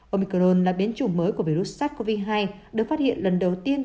omicron là biến chủng mới của virus sars cov hai được phát hiện lần đầu tiên